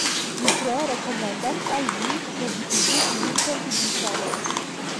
Mi tre rekomendas al vi, ke vi igu ilin pendigitaj.